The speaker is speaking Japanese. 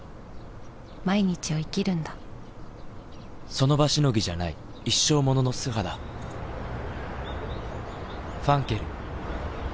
その場しのぎじゃない一生ものの素肌磧ファンケル」